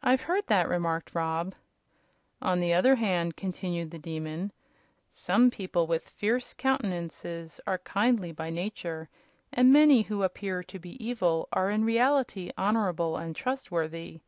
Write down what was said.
"I've heard that," remarked Rob. "On the other hand," continued the Demon, "some people with fierce countenances are kindly by nature, and many who appear to be evil are in reality honorable and trustworthy.